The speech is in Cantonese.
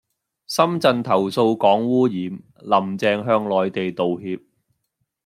深圳投訴港污染,林鄭向內地道歉